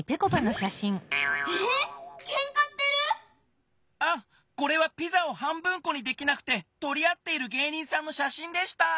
ええっけんかしてる⁉あこれはピザを半分こにできなくてとりあっている芸人さんのしゃしんでした！